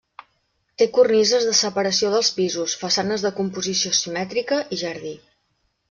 Té cornises de separació dels pisos, façanes de composició simètrica i jardí.